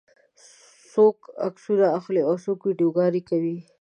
څوک عکسونه اخلي او څوک ویډیوګانې کوي.